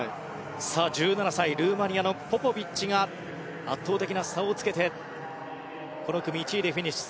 １７歳、ルーマニアのポポビッチが圧倒的な差をつけてこの組、１位でフィニッシュ。